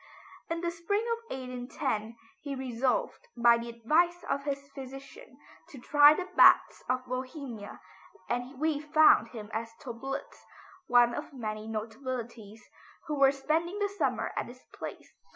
In the spring of 1812 he resolved by the advice of his physician to try the baths of Bohemia, and we find him at Töplitz, one of many notabilities, who were spending the summer at this place.